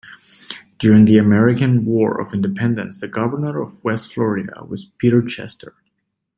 During the American War of Independence the Governor of West Florida was Peter Chester.